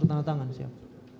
tanda tangan siap